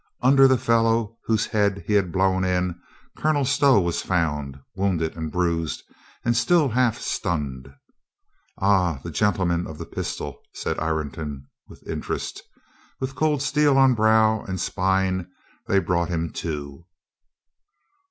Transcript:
Under the fellow whose head he had blown in. Colonel Stow was found, wounded and bruised and still half stunned. "Ah. The gentle man of the pistol," said Ireton with interest. With cold steel on brow and spine they brought him to.